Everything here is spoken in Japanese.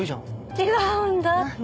違うんだって。